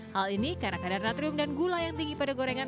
hal ini karena kadar natrium dan gula yang tinggi pada gorengan